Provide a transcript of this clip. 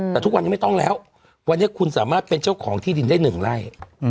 แต่ทุกวันนี้ไม่ต้องแล้ววันนี้คุณสามารถเป็นเจ้าของที่ดินได้๑ไร่